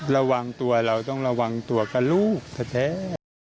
ระวังตัวเราต้องระวังตัวกับลูกแท้